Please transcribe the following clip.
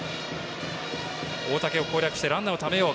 大竹を攻略してランナーをためよう。